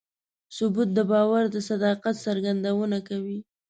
ثبوت د باور د صداقت څرګندونه کوي.